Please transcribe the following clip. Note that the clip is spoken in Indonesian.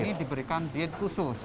ini diberikan diet khusus